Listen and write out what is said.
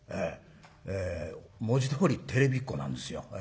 文字どおりテレビっ子なんですよ。